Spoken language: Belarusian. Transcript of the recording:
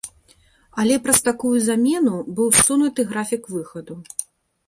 Але праз такую замену быў ссунуты графік выхаду.